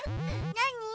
なに？